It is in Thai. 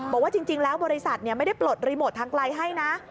บอกว่าจริงแล้วบริษัทไม่ได้ปลดรีโมททางไกลให้นะ